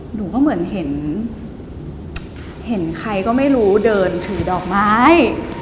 หนูก็เหมือนเห็นใครก็ไม่รู้เดินถือดอกไม้